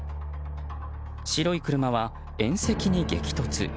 白い車は縁石に激突。